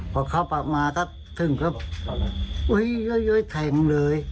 อืมพอเข้ามาถึงก็เฮ้ยเฮ้ยเฮ้ยแทงเลย